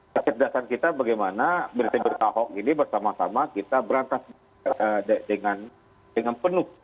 jadi kita berdasarkan kita bagaimana berita berita hoks ini bersama sama kita berantakan dengan penuh